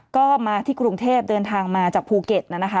ก็มาที่กรุงเทพเดินทางมาจากภูเก็ตนะคะ